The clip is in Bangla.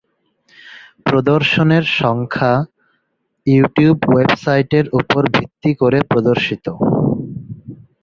প্রদর্শনের সংখ্যা ইউটিউব ওয়েবসাইটের উপর ভিত্তি করে প্রদর্শিত।